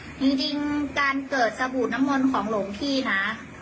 จริงการเกิดสบู่น้ำมนต์ของหลวงพี่นะ